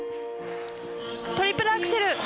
トリプルアクセル。